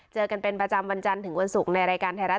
เจอกันเป็นประจำวันจันทร์ถึงวันศุกร์ในรายการไทยรัฐ